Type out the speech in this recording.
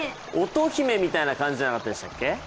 音姫みたいな感じじゃなかったでしたっけ？